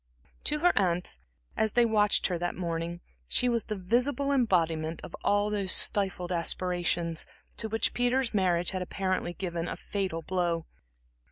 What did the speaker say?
To her aunts, as they watched her that morning, she was the visible embodiment of all those stifled aspirations, to which Peter's marriage had apparently given a fatal blow.